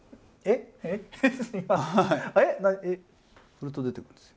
振ると出てくるんですよ。